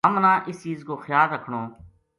ہمنا اس چیز کو خیال رکھنو